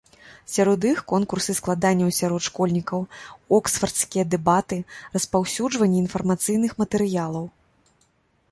Сярод іх конкурсы складанняў сярод школьнікаў, оксфардскія дэбаты, распаўсюджванне інфармацыйных матэрыялаў.